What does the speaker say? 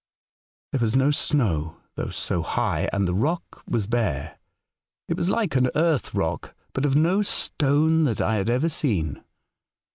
There was no snow, though so high, and the rock was bare. It was like an earth rock, but of no stone that I had ever seen.